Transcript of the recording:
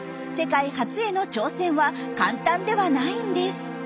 世界初への挑戦は簡単ではないんです。